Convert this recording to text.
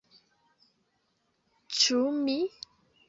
- Ĉu mi?